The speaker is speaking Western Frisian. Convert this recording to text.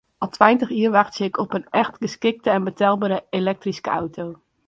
Al tweintich jier wachtsje ik op in echt geskikte en betelbere elektryske auto.